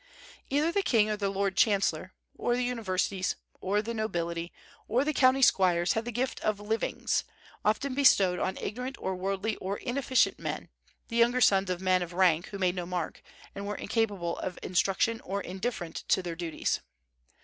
Either the king, or the lord chancellor, or the universities, or the nobility, or the county squires had the gift of the "livings," often bestowed on ignorant or worldly or inefficient men, the younger sons of men of rank, who made no mark, and were incapable of instruction or indifferent to their duties.